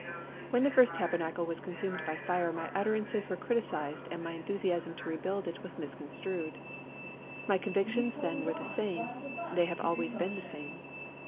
When the first Tabernacle was consumed by fire my utterances were criticised and my enthusiasm to rebuild it was misconstrued. My convictions then were the same, they have always been the same.